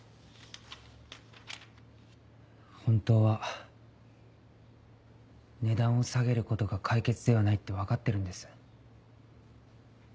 本当は値段を下げることが解決ではないって分かってるんです。